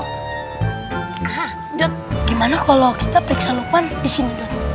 hah dot gimana kalo kita periksa lukman disini dot